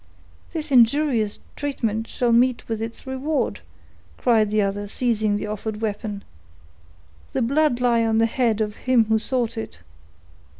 "This injurious treatment shall meet with its reward," cried the other, seizing the offered weapon. "The blood lie on the head of him who sought it!"